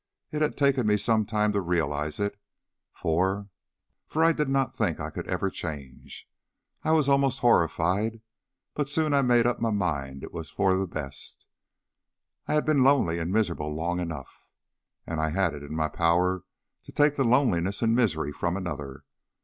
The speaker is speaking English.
It had taken me some time to realize it for for I did not think I ever could change. I was almost horrified; but soon I made up my mind it was for the best. I had been lonely and miserable long enough, and I had it in my power to take the loneliness and misery from another.